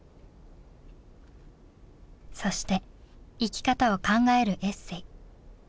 そして生き方を考えるエッセイ。